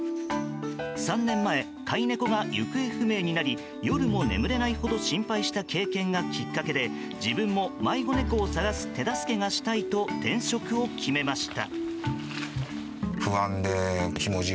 ３年前、飼い猫が行方不明になり夜も眠れないほど心配した経験がきっかけで自分も迷子猫を探す手助けがしたいと転職を決めました。